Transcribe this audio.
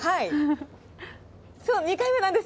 そう、２回目なんです。